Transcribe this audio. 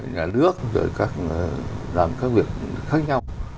nhà nước rồi làm các việc khác nhau